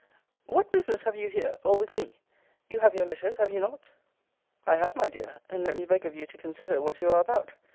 What business have you here, or with me? You have your letters; have you not? Lovel. I have, my dear; and let me beg of you to consider what you are about.